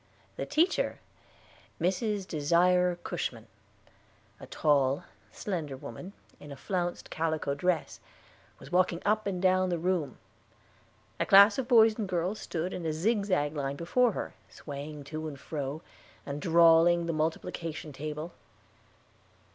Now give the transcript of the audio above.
The teacher, Mrs. Desire Cushman, a tall, slender woman, in a flounced calico dress, was walking up and down the room; a class of boys and girls stood in a zigzag line before her, swaying to and fro, and drawling the multiplication table.